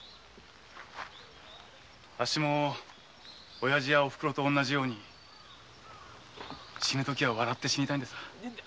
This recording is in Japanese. あっしも親父やお袋と同じように死ぬときは笑って死にたいんです。